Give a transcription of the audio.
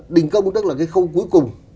đình công tức là cái khâu cuối cùng